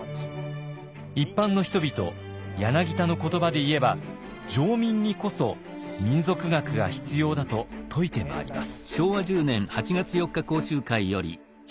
一般の人々柳田の言葉でいえば常民にこそ民俗学が必要だと説いて回ります。